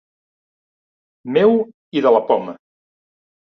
Meu i de la poma.